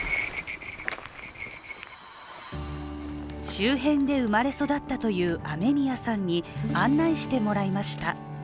周辺で生まれ育ったという雨宮さんに案内してもらいました。